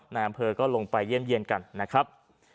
นายอำเภอก็ลงไปเยี่ยมกันนะครับ